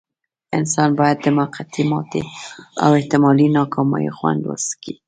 انسان بايد د موقتې ماتې او احتمالي ناکاميو خوند وڅکي.